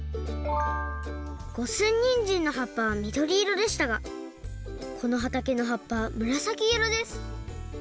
五寸にんじんのはっぱはみどり色でしたがこのはたけのはっぱはむらさき色です。